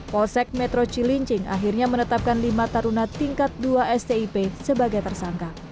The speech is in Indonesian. polsek metro cilincing akhirnya menetapkan lima taruna tingkat dua stip sebagai tersangka